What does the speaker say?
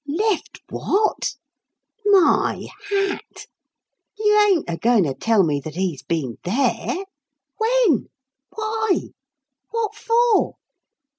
"Left what? My hat! You ain't a going to tell me that he's been there? When? Why? What for?"